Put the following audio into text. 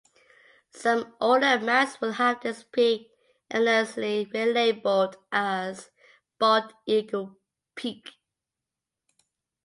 Some older maps will have this peak erroneously labeled as Bald Eagle Peak.